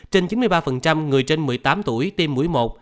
trên chín mươi ba người trên một mươi tám tuổi tiêm mũi một